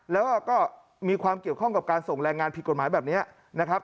แล้วก็มีความเกี่ยวข้องกับการส่งแรงงานผิดกฎหมายแบบนี้นะครับ